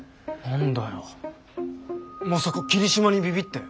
何だよまさか桐島にビビって。